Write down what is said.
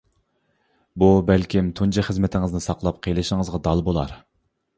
بۇ بەلكىم تۇنجى خىزمىتىڭىزنى ساقلاپ قېلىشىڭىزغا دال بولار.